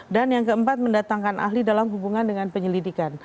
dan yang keempat mendatangkan ahli dalam hubungan dengan penyelidikan